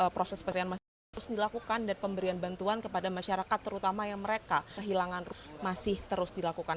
proses pencarian masih terus dilakukan dan pemberian bantuan kepada masyarakat terutama yang mereka kehilangan masih terus dilakukan